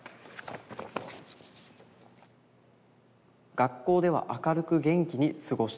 「学校では明るく元気に過ごしていました」。